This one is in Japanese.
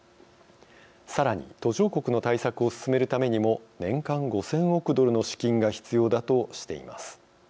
さらに、途上国の対策を進めるためにも年間５千億ドルの資金が必要だとしています。